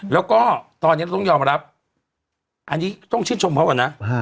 แล้วก็ตอนนี้ต้องยอมรับอันนี้ต้องชื่นชมเขาก่อนนะ